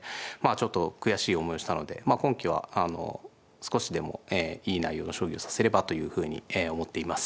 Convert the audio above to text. ちょっと悔しい思いをしたので今期は少しでもいい内容の将棋を指せればというふうに思っています。